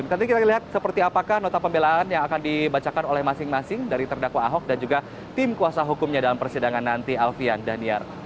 nanti kita lihat seperti apakah nota pembelaan yang akan dibacakan oleh masing masing dari terdakwa ahok dan juga tim kuasa hukumnya dalam persidangan nanti alfian daniar